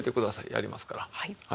やりますから。